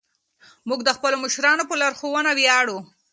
موږ د خپلو مشرانو په لارښوونه ویاړو.